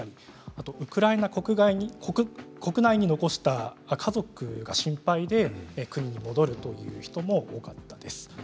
あとはウクライナ国内に残した家族が心配で国に戻るという人も多かったです。